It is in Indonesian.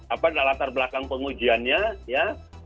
apa latar belakang pengujiannya ya